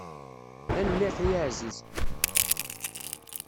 Tanemmirt a aɛziz.